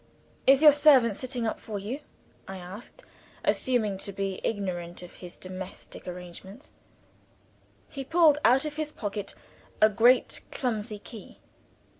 "Is your servant sitting up for you?" I asked, assuming to be ignorant of his domestic arrangements. He pulled out of his pocket a great clumsy key.